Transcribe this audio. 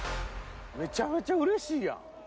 めちゃめちゃうれしいやん。